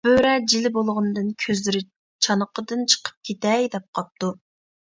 بۆرە جىلە بولغىنىدىن كۆزلىرى چانىقىدىن چىقىپ كېتەي دەپ قاپتۇ.